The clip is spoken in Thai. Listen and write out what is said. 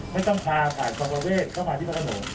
ให้ต้องพาศาสตร์ฝรั่งประเวทเข้ามาที่มัธยนต์